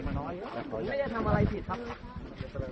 อย่าทำร้ายร่างกายผมครับ